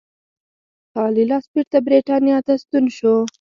خالي لاس بېرته برېټانیا ته ستون شو.